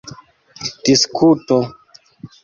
diskuto